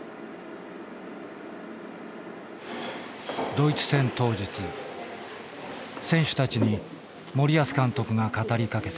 ドイツ戦当日選手たちに森保監督が語りかけた。